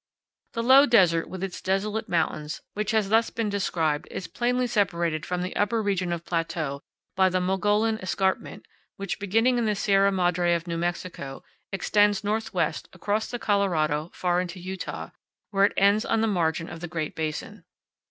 The low desert, with its desolate mountains, which has thus been described is plainly separated from the upper region of plateau by the Mogollon Escarpment, which, beginning in the Sierra Madre of New Mexico, extends northwestward across the Colorado far into Utah, where it ends on the margin of the Great Basin.